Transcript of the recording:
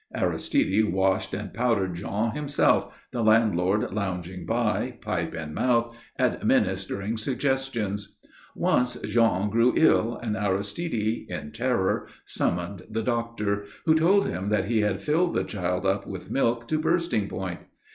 Aristide washed and powdered Jean himself, the landlord lounging by, pipe in mouth, administering suggestions. Once Jean grew ill, and Aristide in terror summoned the doctor, who told him that he had filled the child up with milk to bursting point.